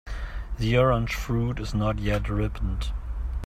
The orange fruit is not yet ripened.